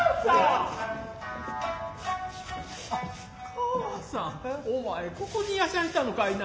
川さんお前爰にいやしゃんしたのかいな。